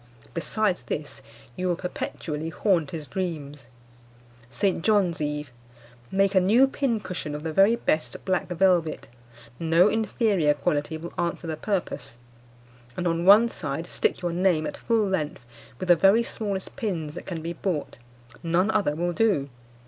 Besides this, you will perpetually haunt his dreams. "St. John's Eve. Make a new pincushion of the very best black velvet (no inferior quality will answer the purpose), and on one side stick your name at full length with the very smallest pins that can be bought (none other will do).